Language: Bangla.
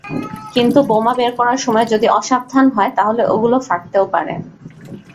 কিন্তু বোমা বের করার সময় যদি অসাবধান হয় তাহলে ওগুলো ফাটতেও পারে।